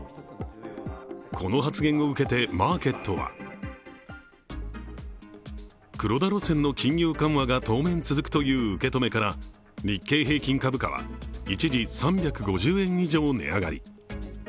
この発言を受けてマーケットは黒田路線の金融緩和が当面続くという受け止めから日経平均株価は一時３５０円以上、値上がり。